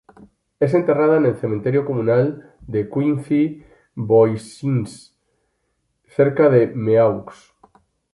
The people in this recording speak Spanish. Es enterrada en el cementerio comunal de Quincy-Voisins cerca de Meaux.